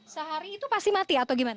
sehari itu pasti mati atau gimana